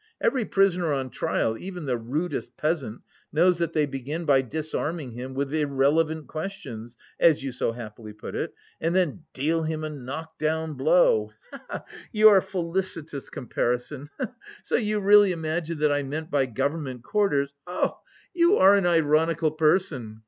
Every prisoner on trial, even the rudest peasant, knows that they begin by disarming him with irrelevant questions (as you so happily put it) and then deal him a knock down blow, he he he! your felicitous comparison, he he! So you really imagined that I meant by 'government quarters'... he he! You are an ironical person.